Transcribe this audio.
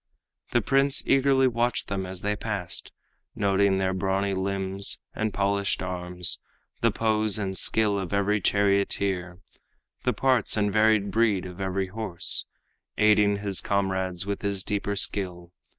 The prince eagerly watched them as they passed, Noting their brawny limbs and polished arms, The pose and skill of every charioteer, The parts and varied breed of every horse, Aiding his comrades with his deeper skill.